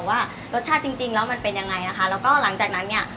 ว่ารสชาติจริงจริงแล้วมันเป็นยังไงนะคะแล้วก็หลังจากนั้นเนี่ย